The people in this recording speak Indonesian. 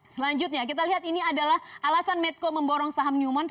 selanjutnya kita lihat ini adalah alasan medco memborong saham newmon